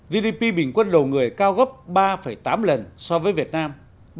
gdp bình quân đầu người cao gấp ba tám lần so với việt nam